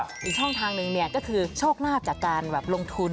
การทำทีแรกทางนึงนี่ก็คือโชคลาภที่จากการลงทุน